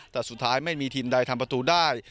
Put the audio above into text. แต่สุดท้ายไม่มีทีมใดทำประตูได้